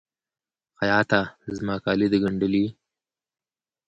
خیاطه! زما کالي د ګنډلي؟